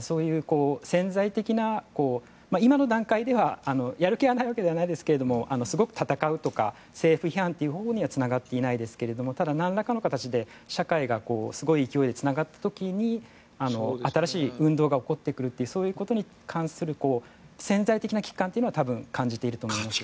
そういう潜在的な今の段階ではやる気はないわけではないですがすごく闘うとか政府批判というほうにはつながっていないですけれどもただ、なんらかの形で社会がすごい勢いでつながった時に新しい運動が起こってくるというそういうことに関する潜在的な危機感というのは感じていると思います。